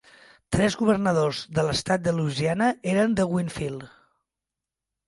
Tres governadors de l'estat de Louisiana eren de Winnfield.